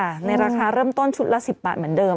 ในราคาเริ่มต้นชุดละ๑๐บาทเหมือนเดิม